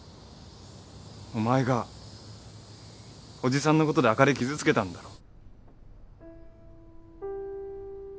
お前がおじさんのことであかり傷つけたんだろ？